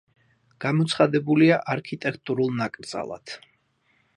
გამოცხადებულია არქიტექტურულ ნაკრძალად.